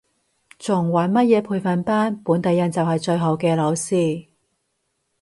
仲揾乜嘢培訓班，本地人就係最好嘅老師